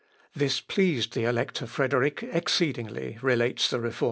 "This pleased the Elector Frederick exceedingly," relates the Reformer.